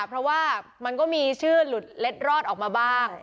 เพราะว่ามันก็มีชื่อหลุดเล็ดรอดออกมาบ้าง